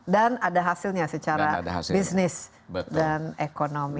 dan ada hasilnya secara bisnis dan ekonomi